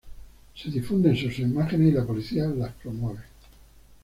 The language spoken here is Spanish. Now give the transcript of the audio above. Se difunden sus imágenes y la policía las promueve".